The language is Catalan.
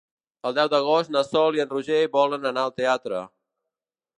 El deu d'agost na Sol i en Roger volen anar al teatre.